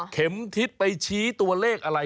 ทิศไปชี้ตัวเลขอะไร